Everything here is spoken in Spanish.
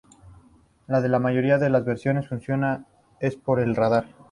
La de la mayoría de las versiones funcionan es por el radar.